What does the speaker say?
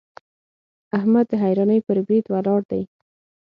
احمد د حيرانۍ پر بريد ولاړ دی.